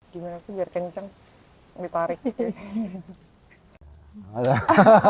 gimana sih biar kenceng ditarik